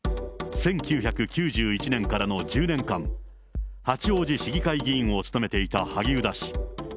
１９９１年からの１０年間、八王子市議会議員を務めていた萩生田氏。